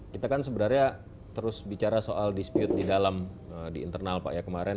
kita kan sebenarnya terus bicara soal dispute di dalam di internal pak ya kemarin